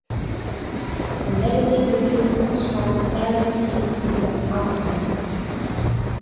A negative review comes from Aaron Timms in "The Outline".